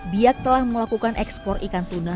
biak telah melakukan ekspor ikan tuna